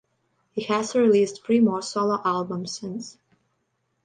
He has released three more solo albums since.